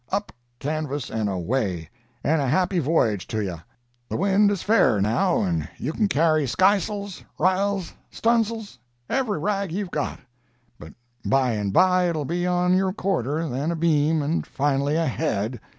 Up canvas and away! and a happy voyage to ye! The wind is fair, now, and you can carry skys'ls, r'yals, stuns'ls—every rag you've got; but by and by it'll be on your quarter, then abeam, and finally ahead.